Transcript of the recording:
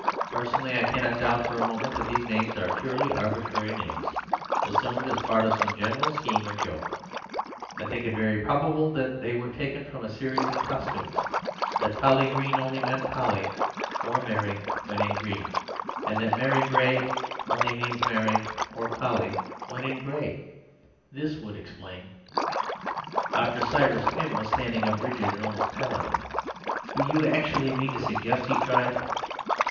Personally I cannot doubt for a moment that these names are purely arbitrary names, assumed as part of some general scheme or joke. I think it very probable that they were taken from a series of costumes— that Polly Green only meant Polly (or Mary) when in green, and that Mary Gray only means Mary (or Polly) when in gray. This would explain—" Cyrus Pym was standing up rigid and almost pallid. "Do you actually mean to suggest—" he cried.